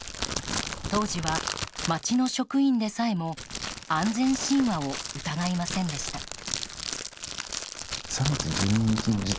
当時は町の職員でさえも安全神話を疑いませんでした。